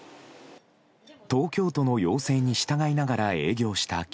東京都の要請に従いながら営業した